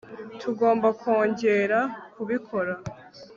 tugomba kongera kubikora